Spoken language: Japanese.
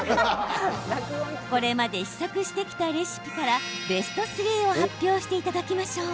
これまで試作してきたレシピからベスト３を発表していただきましょう。